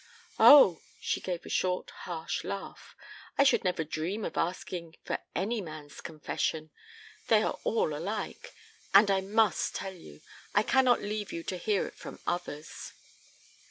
"Oh!" She gave a short harsh laugh. "I should never dream of asking for any man's confession. They are all alike. And I must tell you. I cannot leave you to hear it from others."